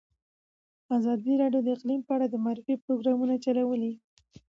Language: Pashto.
ازادي راډیو د اقلیم په اړه د معارفې پروګرامونه چلولي.